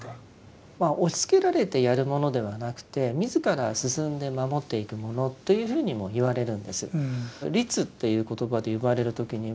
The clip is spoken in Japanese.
まあ押しつけられてやるものではなくて自ら進んで守っていくものというふうにもいわれるんです。